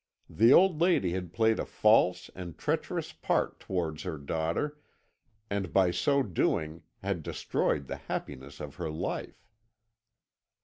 The old lady had played a false and treacherous part towards her daughter, and by so doing had destroyed the happiness of her life.